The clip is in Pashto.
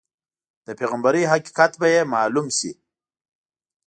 د پیغمبرۍ حقیقت به یې معلوم شي.